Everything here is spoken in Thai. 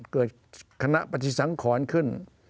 เกิดคณะปฏิสังขรขึ้น